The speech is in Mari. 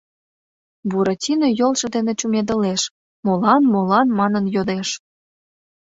Буратино йолжо дене чумедылеш, молан? молан? манын йодеш.